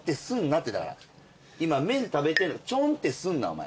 今麺食べてるチョンってすんなお前。